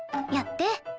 やって。